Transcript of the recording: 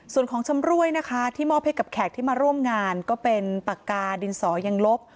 ส่วนของชำรวยนะคะที่มอบให้กับแขกที่มาร่วมงานก็เป็นปากกาดินสอยังลบ